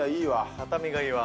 畳がいいわ。